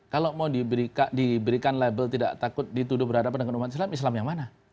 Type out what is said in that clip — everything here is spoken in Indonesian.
kalau mau diberikan label tidak takut dituduh berhadapan dengan umat islam islam yang mana